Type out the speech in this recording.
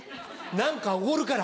何かおごるから。